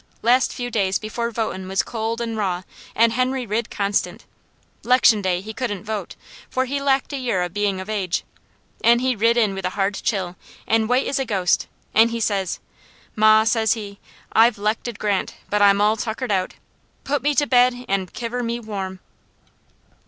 Last few days before votin' was cold an' raw an' Henry rid constant. 'Lection day he couldn't vote, for he lacked a year of bein' o' age, an' he rid in with a hard chill, an' white as a ghost, an' he says: 'Ma,' says he, 'I've 'lected Grant, but I'm all tuckered out. Put me to bed an' kiver me warm.'"